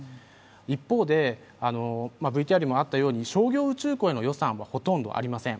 一方でＶＴＲにもあったように商業宇宙港への予算はほとんどありません